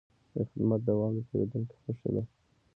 د خدمت دوام د پیرودونکي خوښي ده.